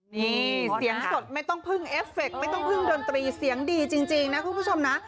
นี่เสียงสดไม่ต้องพึ่งเอฟเฟคไม่ต้องพึ่งดนตรีเสียงดีจริงนะคุณผู้ชมนะ